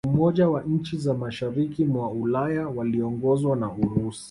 Umoja wa nchi za mashariki mwa Ulaya waliongozwa na Urusi